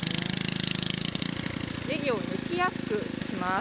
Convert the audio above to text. ねぎを抜きやすくします。